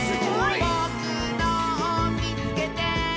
「ぼくのをみつけて！」